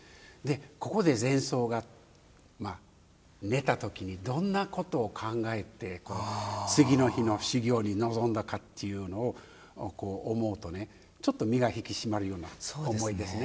ここで禅僧が寝たときにどんなことを考えて次の日の修行に臨んだかというのを思うとねちょっと身が引き締まるような思いですね。